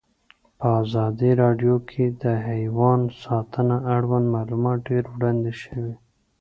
په ازادي راډیو کې د حیوان ساتنه اړوند معلومات ډېر وړاندې شوي.